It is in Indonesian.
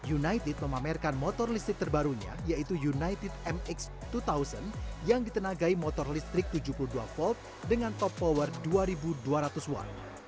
united memamerkan motor listrik terbarunya yaitu united mx dua ribu yang ditenagai motor listrik tujuh puluh dua v dengan top power dua dua ratus watt